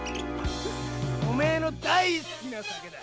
お前の大好きな酒だ！